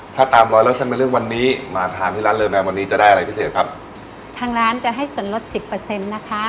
ถ้าตามร้อยเล่าเส้นเป็นเรื่องวันนี้มาทานที่ร้านเลอแมนวันนี้จะได้อะไรพิเศษครับทางร้านจะให้ส่วนลดสิบเปอร์เซ็นต์นะคะ